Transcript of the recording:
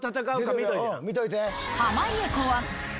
見といて。